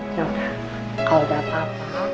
coba kalau gak apa apa